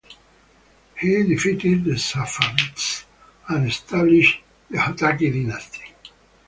He defeated the Safavids and established the Hotaki dynasty.